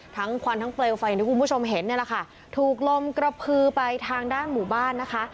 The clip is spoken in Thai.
ควันทั้งเปลวไฟอย่างที่คุณผู้ชมเห็นเนี่ยแหละค่ะถูกลมกระพือไปทางด้านหมู่บ้านนะคะ